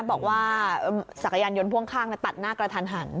บอกว่าจักรยานยนต์พ่วงข้างตัดหน้ากระทันหัน